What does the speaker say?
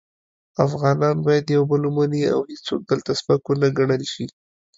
افغانان باید یو بل ومني او هیڅوک دلته سپک و نه ګڼل شي.